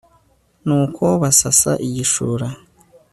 nuko basasa igishura